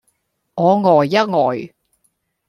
我呆一呆